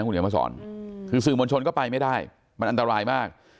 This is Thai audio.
คุณเดี๋ยวมาสอนคือสื่อมวลชนก็ไปไม่ได้มันอันตรายมาก